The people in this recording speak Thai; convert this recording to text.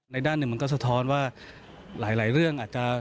ด้านหนึ่งมันก็สะท้อนว่าหลายเรื่องอาจจะ